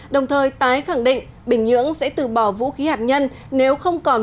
đồng thời tái khẳng định bình nhưỡng sẽ từ bỏ vũ khí hạt nhân nếu không còn